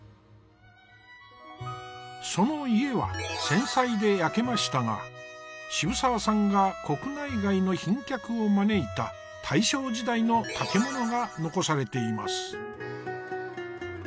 その家は戦災で焼けましたが渋沢さんが国内外の賓客を招いた大正時代の建物が残されています。